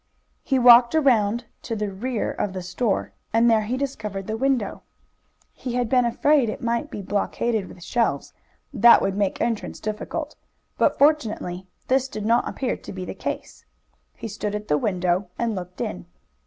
He walked around to the rear of the store, and there he discovered the window. He had been afraid it might be blockaded with shelves, that would make entrance difficult, but fortunately this did not appear to be the case. He stood at the window and looked in.